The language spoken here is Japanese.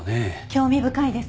興味深いですね。